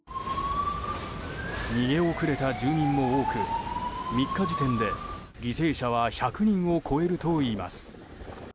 逃げ遅れた住民も多く３日時点で犠牲者は１００人を超えるといいます。